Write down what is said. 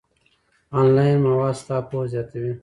آنلاین مواد ستا پوهه زیاتوي.